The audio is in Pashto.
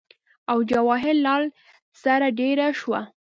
او جواهر لال سره دېره شو